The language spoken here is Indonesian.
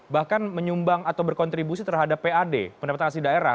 bahkan menyumbang atau berkontribusi terhadap pad pendapatan asli daerah